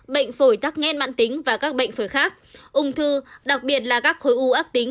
bệnh phổi tắc nghẽn mạng tính và các bệnh phổi khác ung thư đặc biệt là các khối u ác tính